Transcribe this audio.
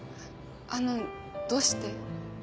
あのどうして？